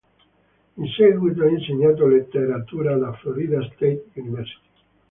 In seguito ha insegnato letteratura alla Florida State University.